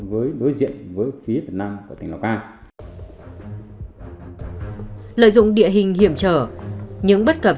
với đối diện với phía việt nam của tỉnh lào cai lợi dụng địa hình hiểm trở những bất cập